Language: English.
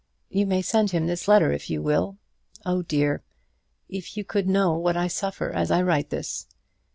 You may send him this letter if you will. Oh, dear! if you could know what I suffer as I write this.